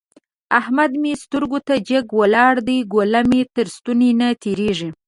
احمد مې سترګو ته جګ ولاړ دی؛ ګوله مې تر ستوني نه تېرېږي.